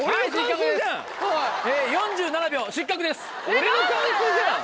俺の感想じゃん。